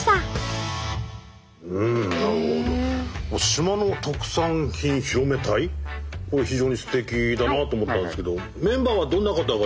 島の特産品拡め隊これ非常にすてきだなと思ったんですけど。